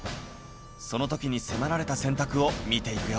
その時に迫られた選択を見ていくよ